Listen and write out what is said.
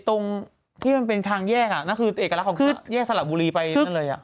ตรงที่มันเป็นทางแยกนั่นคือเอกลักษณ์คือแยกสระบุรีไปนั่นเลย